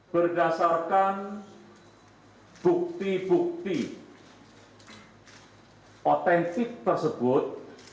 berdasarkan bukti bukti otentik tersebut